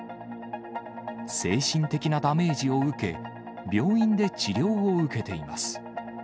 精神的なダメージを受け、病院で治療を受けています。